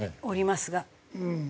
おりますが。